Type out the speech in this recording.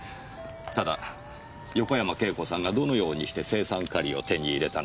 ただ横山慶子さんがどのようにして青酸カリを手に入れたのか。